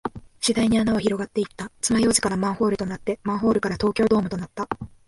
次第に穴は広がっていった。爪楊枝からマンホールとなって、マンホールから東京ドームとなった。